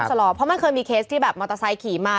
ตลอดเพราะมันเคยมีเคสที่แบบมอเตอร์ไซค์ขี่มา